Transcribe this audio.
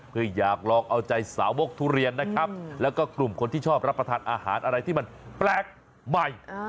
เพื่ออยากลองเอาใจสาวกทุเรียนนะครับแล้วก็กลุ่มคนที่ชอบรับประทานอาหารอะไรที่มันแปลกใหม่